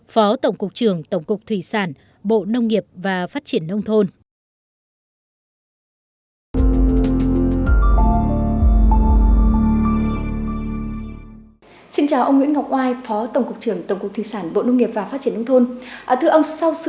phó tổng cục trường tổng cục thủy sản bộ nông nghiệp và phát triển nông thôn